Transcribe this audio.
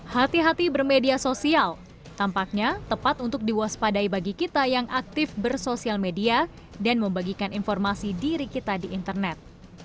hati hati bermedia sosial tampaknya tepat untuk diwaspadai bagi kita yang aktif bersosial media dan membagikan informasi diri kita di internet